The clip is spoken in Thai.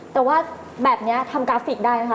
แต่ว่าแบบนี้ทำกราฟิกได้นะคะ